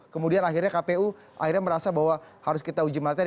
kemudian akhirnya kpu akhirnya merasa bahwa harus kita uji materi